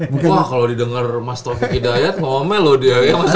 bukan kalo didengar mas taufik hidayat ngomel loh dia ya mas ari ya